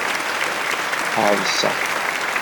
Ɛeḍseɣ.